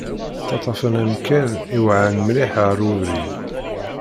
Ttaṭṭafen amkan iweɛɛan mliḥ ɣer ubrid.